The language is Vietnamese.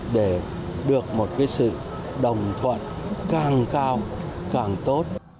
để được một sự đồng thuận càng cao càng tốt